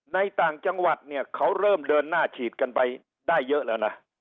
ต่างจังหวัดเนี่ยเขาเริ่มเดินหน้าฉีดกันไปได้เยอะแล้วนะ